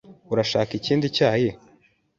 Urashaka ikindi cyayi?